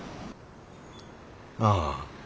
ああ。